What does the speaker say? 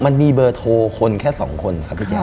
มันมีเบอร์โทรคนแค่สองคนครับพี่แจ๊